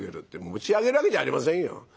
「持ち上げるわけじゃありませんよ。